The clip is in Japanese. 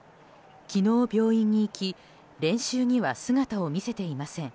昨日、病院に行き練習には姿を見せていません。